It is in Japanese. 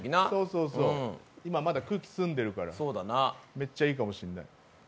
今また空気澄んでるからいいかもしれない。